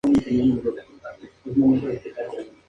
La mayoría de ellos están siendo transformados en viviendas.